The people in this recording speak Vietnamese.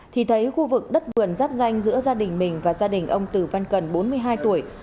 thì thấy khu vực đất vườn giáp danh giữa gia đình mình và gia đình ông từ văn cần bốn mươi hai tuổi